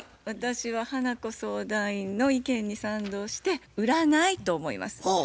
私は花子相談員の意見に賛同して「売らない」と思います。